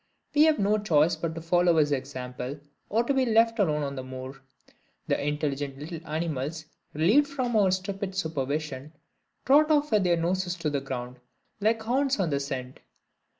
We have no choice but to follow his example, or to be left alone on the moor. The intelligent little animals, relieved from our stupid supervision, trot off with their noses to the ground, like hounds on the scent.